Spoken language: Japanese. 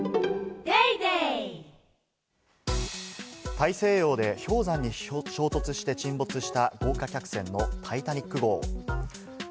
大西洋で氷山に衝突して沈没した豪華客船のタイタニック号。